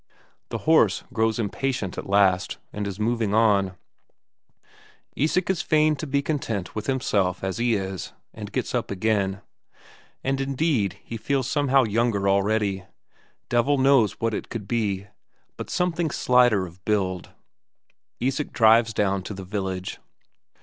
The horse grows impatient at last and is moving on; Isak is fain to be content with himself as he is, and gets up again. And indeed he feels somehow younger already devil knows what it could be, but somehow slighter of build. Isak drives down to the village.